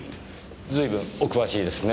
随分お詳しいですね。